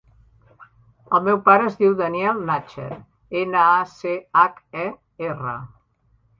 El meu pare es diu Daniel Nacher: ena, a, ce, hac, e, erra.